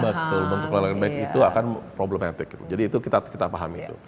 betul yang belum terkeluar itu akan problematic jadi itu kita pahami